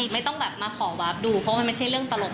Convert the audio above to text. ไม่ต้องแบบมาขอวาบดูเพราะมันไม่ใช่เรื่องตลก